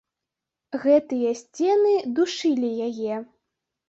Гэтыя сцены душылі яе.